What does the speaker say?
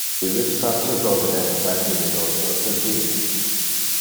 Illes face lor renta in le negotios del vino.